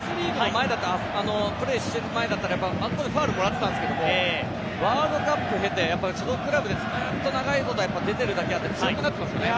やっぱりフランスリーグのプレーしている前だったらあそこでファウルもらっていたんですけどワールドカップ経て所属クラブでずっと長いこと出ているだけあって強くなっていますね。